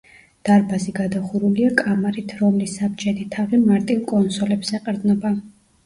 დარბაზი გადახურულია კამარით, რომლის საბჯენი თაღი მარტივ კონსოლებს ეყრდნობა.